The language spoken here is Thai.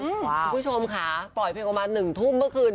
คุณผู้ชมค่ะปล่อยเพลงออกมา๑ทุ่มเมื่อคืน